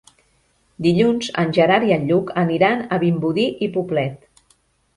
Dilluns en Gerard i en Lluc aniran a Vimbodí i Poblet.